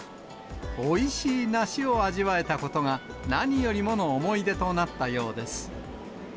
おいしい梨を味わえたことが、何よりもの思い出となったようです。